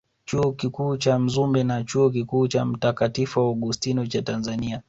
Chuo Kikuu cha Mzumbe na Chuo Kikuu cha Mtakatifu Augustino cha Tanzania